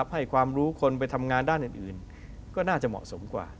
ให้ความรู้คนไปทำงานด้านอื่นก็น่าจะเหมาะสมกว่า